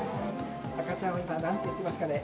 赤ちゃんはなんて言ってます